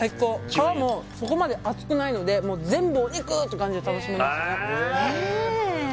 皮もそこまで厚くないので全部お肉！って感じで楽しめます。